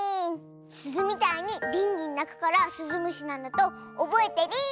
すずみたいにリンリンなくからスズムシなんだとおぼえてリン！